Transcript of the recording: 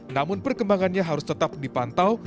namun perkembangannya harus tetap dipantau